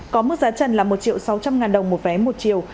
có mức giá trần là một sáu trăm linh ngàn đồng một vé một chiều